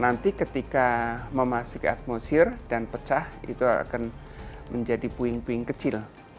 nanti ketika memasuki atmosfer dan pecah itu akan menjadi puing puing kecil